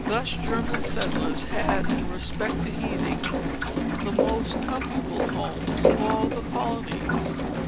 Thus German settlers had, in respect to heating, the most comfortable homes of all the colonies.